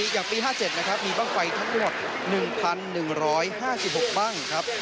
อย่างปี๕๗นะครับมีบ้างไฟทั้งหมด๑๑๕๖บ้างครับ